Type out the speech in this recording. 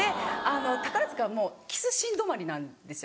宝塚はもうキスシーン止まりなんですよ。